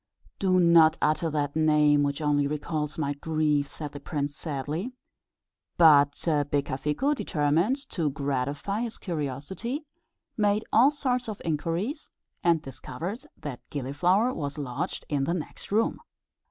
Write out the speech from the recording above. "Do not utter that name, which only recalls my grief," said the prince, sadly; but Becafico, determined to gratify his curiosity, made all sorts of inquiries, and discovered that Gilliflower was lodged in the next room.